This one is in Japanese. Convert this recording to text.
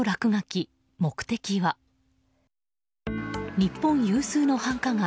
日本有数の繁華街